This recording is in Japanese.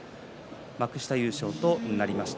幕下優勝となりました。